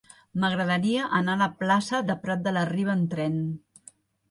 M'agradaria anar a la plaça de Prat de la Riba amb tren.